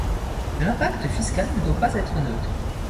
L'impact fiscal ne doit pas être neutre.